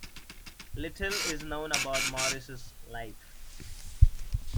Little is known about Morrice's life.